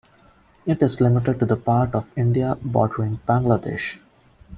It is limited to the part of India bordering Bangladesh.